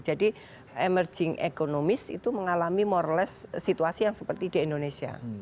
jadi emerging economy itu mengalami more or less situasi yang seperti di indonesia